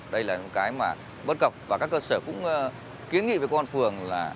đây là những cái mà bất cập và các cơ sở cũng kiến nghị với công an phường là